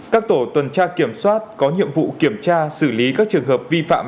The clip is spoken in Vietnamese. các tổ tuần tra kiểm soát có nhiệm vụ kiểm tra xử lý các trường hợp vi phạm